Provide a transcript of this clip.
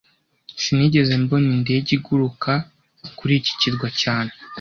Sinigeze mbona indege iguruka kuri iki kirwa cyane